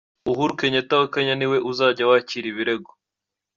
Perezida Uhuru Kenyatta wa Kenya ni we uzajya wakira ibirego.